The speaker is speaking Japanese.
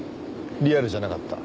リアルじゃなかった。